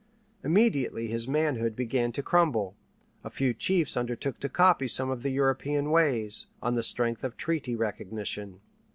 Immediately his manhood began to crumble. A few chiefs undertook to copy some of the European ways, on the strength of treaty recognition.